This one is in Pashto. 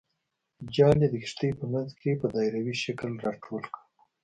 جال یې د کښتۍ په منځ کې په دایروي شکل راټول کړ.